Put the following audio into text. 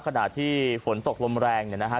ขณะที่ฝนตกลมแรงเนี่ยนะฮะ